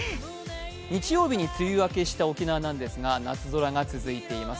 日曜日に梅雨明けした沖縄なんですが、夏空が続いています。